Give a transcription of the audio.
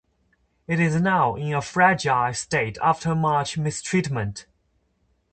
It is now in a fragile state after much mistreatment.